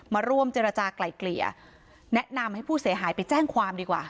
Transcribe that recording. มาร่วมเจรจากลายเกลี่ยแนะนำให้ผู้เสียหายไปแจ้งความดีกว่า